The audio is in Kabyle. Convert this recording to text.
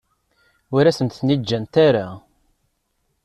Ur asent-ten-id-ǧǧant ara.